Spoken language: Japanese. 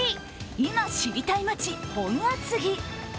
今、知りたい街・本厚木。